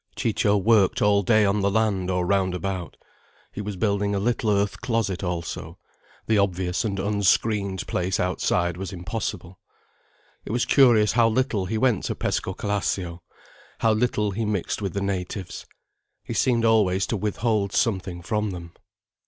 Ciccio worked all day on the land or round about. He was building a little earth closet also: the obvious and unscreened place outside was impossible. It was curious how little he went to Pescocalascio, how little he mixed with the natives. He seemed always to withhold something from them.